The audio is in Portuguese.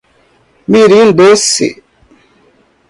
Mirim Doce